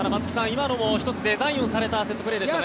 今のも１つデザインされたセットプレーでしたね。